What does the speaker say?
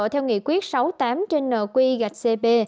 theo nghị quyết sáu mươi tám trên nợ quy gạch cb